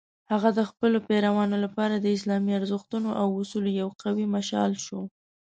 هغه د خپلو پیروانو لپاره د اسلامي ارزښتونو او اصولو یو قوي مشال شو.